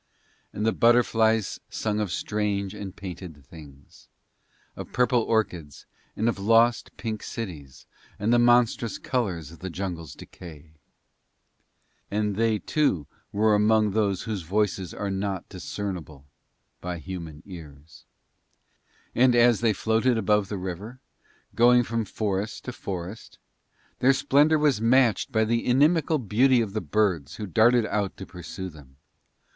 And the butterflies sung of strange and painted things, of purple orchids and of lost pink cities and the monstrous colours of the jungle's decay. And they, too, were among those whose voices are not discernible by human ears. And as they floated above the river, going from forest to forest, their splendour was matched by the inimical beauty of the birds who darted out to pursue them.